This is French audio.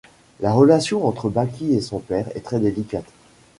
La relation entre Baki et son père est très délicate.